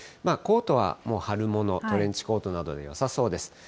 コートはもう春物、トレンチコートなどでよさそうです。